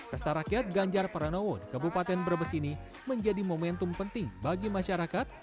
pesta rakyat ganjar pranowo di kabupaten brebes ini menjadi momentum penting bagi masyarakat